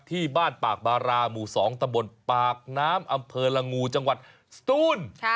ที่บ้านปากบาราหมู่๒ตะบนปากน้ำอำเภอละงูจังหวัดสตูน